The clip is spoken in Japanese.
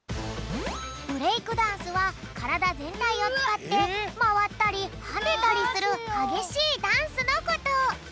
ブレイクダンスはからだぜんたいをつかってまわったりはねたりするはげしいダンスのこと。